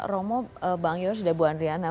romo bang yoris dan bu andriana